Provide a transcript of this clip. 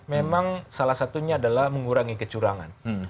memang salah satunya adalah mengurangi kecurangan